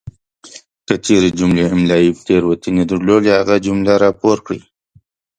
کچیري جملې املائي تیروتنې درلودې هغه جمله راپور کړئ!